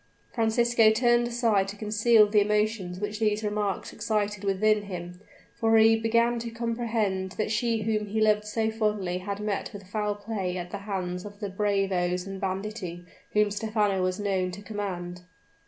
Francisco turned aside to conceal the emotions which these remarks excited within him; for he began to apprehend that she whom he loved so fondly had met with foul play at the hands of the bravoes and banditti whom Stephano was known to command.